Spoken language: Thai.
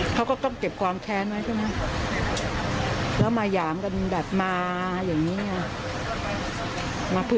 เขาก็ต้องเก็บความแท้ไว้นะ